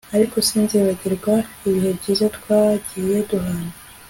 ariko sinzibagirwa ibihe byiza twagiye duhana